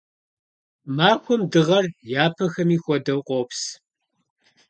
Махуэм дыгъэр, япэхэми хуэдэу, къопс.